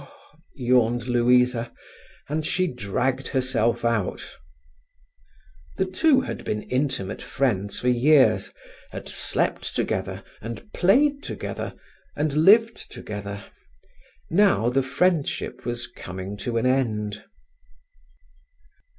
yawned Louisa, and she dragged herself out. The two had been intimate friends for years, had slept together, and played together and lived together. Now the friendship was coming to an end.